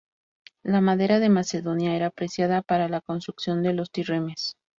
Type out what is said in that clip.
La madera de Macedonia era apreciada para la construcción de los trirremes.